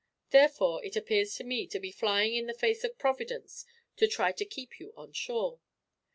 Therefore it appears, to me, to be flying in the face of Providence to try to keep you on shore.